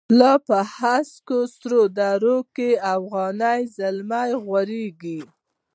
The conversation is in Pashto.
لا په هسکو سر درو کی، افغانی زمری غوریږی